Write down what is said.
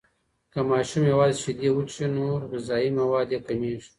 که ماشوم یوازې شیدې وڅښي، نور غذایي مواد یې کمیږي.